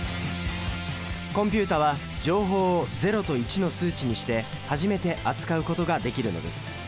コンピュータは情報を０と１の数値にして初めて扱うことができるのです。